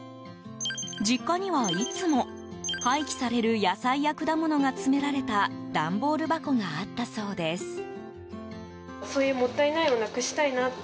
実家にはいつも、廃棄される野菜や果物が詰められた段ボール箱があったそうです。